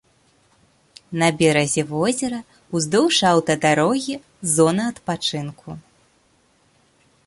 На беразе возера ўздоўж аўтадарогі зона адпачынку.